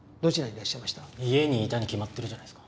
家にいたに決まってるじゃないですか。